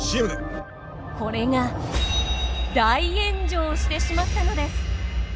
これが大炎上してしまったのです！